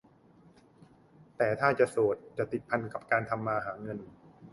แต่ถ้าเป็นโสดจะติดพันกับการทำมาหาเงิน